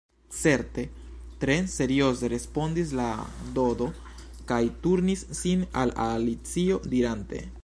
“Certe,” tre serioze respondis la Dodo, kaj turnis sin al Alicio dirante: